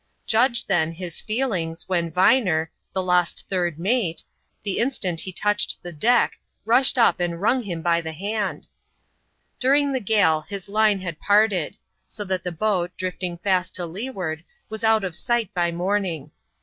Judge, then, his feelings, when* Viner, the lost third mate, the instant he touched the deck, rushed up and wrung him by the handL During the gale his line had parted ; so that the boat, drift ing fast to leeward, was out of sight by morning.